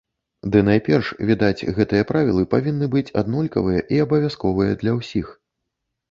Ды найперш, відаць, гэтыя правілы павінны быць аднолькавыя і абавязковыя для ўсіх.